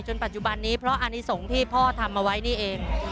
ปัจจุบันนี้เพราะอันนี้สงฆ์ที่พ่อทำเอาไว้นี่เอง